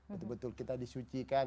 betul betul kita disucikan